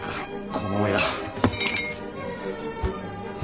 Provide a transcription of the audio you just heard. この親！